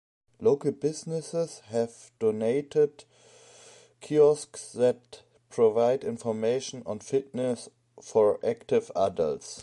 Local businesses have donated kiosks that provide information on fitness for active adults.